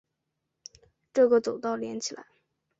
这个走道连起来